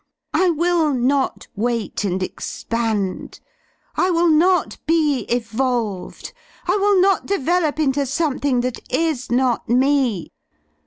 I will not wait and expand. I will not be evolved. I will not de velop into something that is not me.